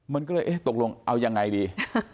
มันก็เลยเอ๊ะตกลงเอายังไงดี